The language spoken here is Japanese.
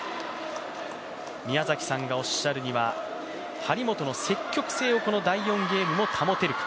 宮崎さんがおっしゃるには張本の積極性をこの第４ゲームも保てるか。